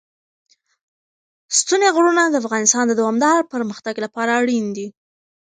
ستوني غرونه د افغانستان د دوامداره پرمختګ لپاره اړین دي.